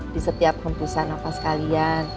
di setiap hembusan nafas kalian